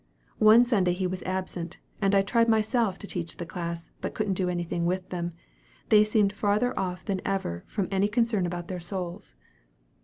One Sunday he was absent, and I tried myself to teach the class, but couldn't do anything with them; they seemed farther off than ever from any concern about their souls.